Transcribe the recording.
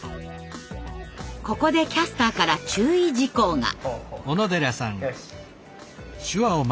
ここでキャスターから注意事項が。